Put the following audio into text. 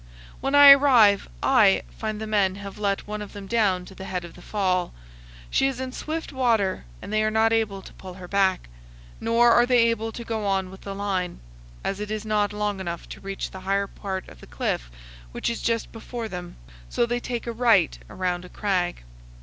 When I arrive I find the men have let one of them down to the head of the fall. She is in swift water and they are not able to pull her back; nor are they able to go on with the line, as it is not long enough to reach the higher part of the cliff which is just before them; so they take a bight around a crag.